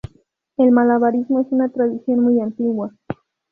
El malabarismo es una tradición muy antigua.